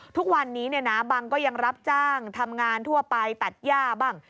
ทุกวันนี้บังก็ยังรับจ้างทำงานทั่วไปตัดย่าบ้าง